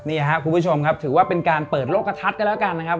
นี่ครับคุณผู้ชมครับถือว่าเป็นการเปิดโลกกระทัดกันแล้วกันนะครับ